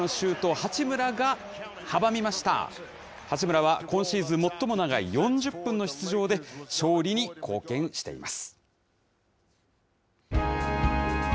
八村は今シーズン最も長い４０分の出場で、勝利に貢献しています。